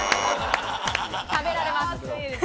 食べられます。